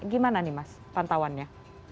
gimana nih mas pantauannya